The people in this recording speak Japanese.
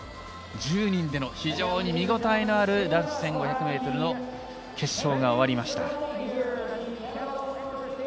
１０人での非常に見応えのある男子１５００ｍの決勝が終わりました。